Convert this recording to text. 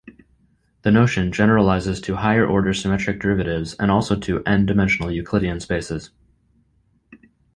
The notion generalizes to higher-order symmetric derivatives and also to "n"-dimensional Euclidean spaces.